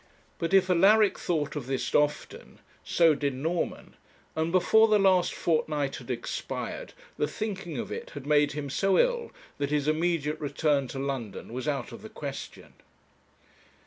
But if Alaric thought of this often, so did Norman; and before the last fortnight had expired, the thinking of it had made him so ill that his immediate return to London was out of the question.